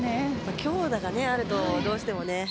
強打があるとどうしてもね。